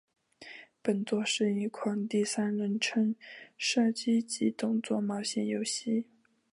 本作是一款第三人称射击及动作冒险游戏。